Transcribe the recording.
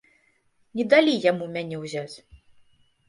Не далі яму мяне ўзяць.